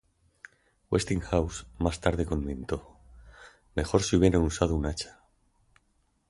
Westinghouse más tarde comentó: ""Mejor si hubieran usado un hacha"".